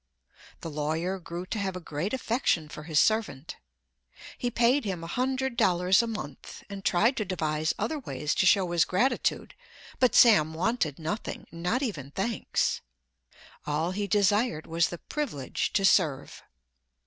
The lawyer grew to have a great affection for his servant. He paid him a hundred dollars a month, and tried to devise other ways to show his gratitude; but Sam wanted nothing, not even thanks. All he desired was the privilege to serve.